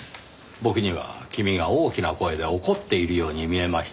僕には君が大きな声で怒っているように見えましたがねぇ。